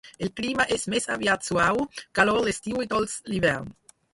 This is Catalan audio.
El clima és més aviat suau, calor l'estiu i dolç l'hivern.